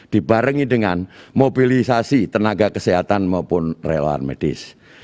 dibarengi dengan mobilisasi tenaga kesehatan maupun relawan medis